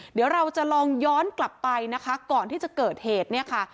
เดี๋ยวเราจะลองย้อนกลับไปนะคะก่อนที่จะเกิดเหตุเนี่ยค่ะ